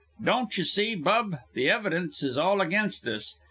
Don't you see, Bub, the evidence is all against us.